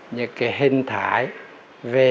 những cái hình thái về